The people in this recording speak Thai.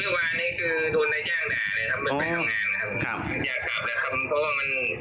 เพราะว่ามันดูแรงกว่าทุกปี